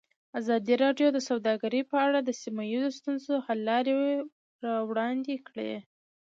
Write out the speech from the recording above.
ازادي راډیو د سوداګري په اړه د سیمه ییزو ستونزو حل لارې راوړاندې کړې.